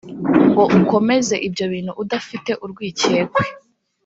ngo ukomeze ibyo bintu udafite urwikekwe